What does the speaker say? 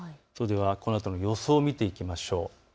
このあとの予想を見ていきましょう。